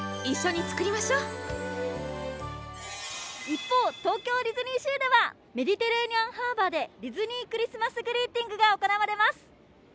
一方東京ディズニーシーではメディテレーニアンハーバーでディズニー・クリスマス・グリーティングが行われます。